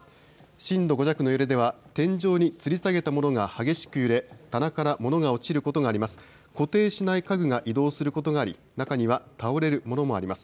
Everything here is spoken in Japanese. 震度５弱の揺れでは天井につり下げたものが激しく揺れ棚から物が落ちることがあります。